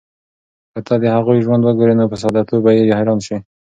که ته د هغوی ژوند وګورې، نو په ساده توب به یې حیران شې.